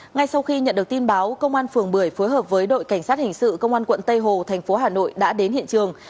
ngay sau khi nhận được tin báo công an phường bưởi phối hợp với đội cảnh sát hình sự công an quận tây hồ thành phố hà nội đã đến hiện trường